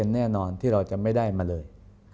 แน่นอนที่เราจะไม่ได้มาเลย